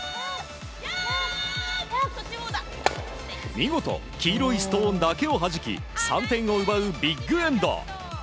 見事黄色いストーンだけをはじき３点を奪うビッグエンド。